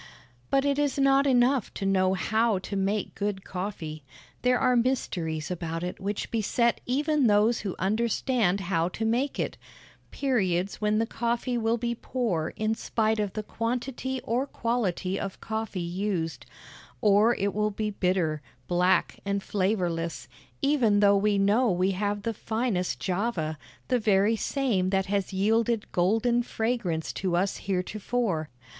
But it is not enough to know how to make good coffee. There are mysteries about it which beset even those who understand how to make it periods when the coffee will be poor in spite of the quantity or quality of coffee used, or it will be bitter, black, and flavorless, even though we know we have the finest Java, the very same that has yielded golden fragrance to us heretofore.